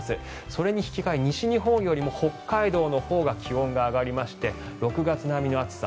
それに比べて西日本より北海道のほうが気温が上がりまして６月並みの暑さ。